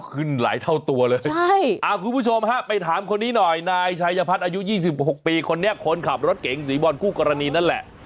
ขึ้นหลายเท่าตัวเลยใช่คุณผู้ชมฮะไปถามคนนี้หน่อยนายชายพัฒน์อายุ๒๖ปีคนนี้คนขับรถเก๋งสีบอลคู่กรณีนั่นแหละ